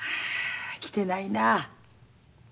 来てないな。